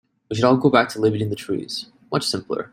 We should all go back to living in the trees, much simpler.